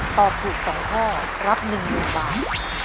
ตอบถูก๒ข้อรับ๑๐๐๐บาท